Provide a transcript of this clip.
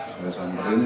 saya samperin saya buku